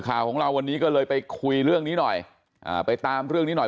ข่าวของเราวันนี้ก็เลยไปคุยเรื่องนี้หน่อยอ่าไปตามเรื่องนี้หน่อย